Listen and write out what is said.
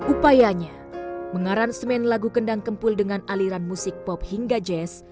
upayanya mengaransmen lagu kendang kempul dengan aliran musik pop hingga jazz